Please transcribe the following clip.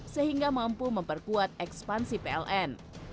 sehingga mampu memperkuat ekspansi pln